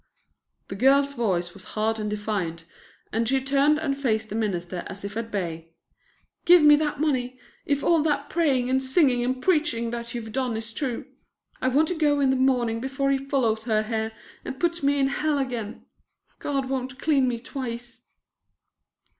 The girl's voice was hard and defiant and she turned and faced the minister as if at bay. "Give me that money, if all that praying and singing and preaching that you've done is true. I want to go in the morning before he follows her here and puts me in hell again. God won't clean me twice."